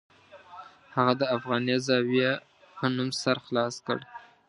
هغه د افغانیه زاویه په نوم سر خلاص کړ.